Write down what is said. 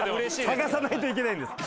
探さないといけないんで。